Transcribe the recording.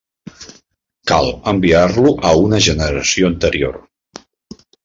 Cal enviar-lo a una generació anterior.